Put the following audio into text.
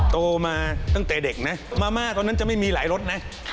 โตมาตั้งแต่เด็กนะมาม่าตอนนั้นจะไม่มีหลายรถนะ